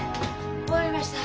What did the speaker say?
終わりました。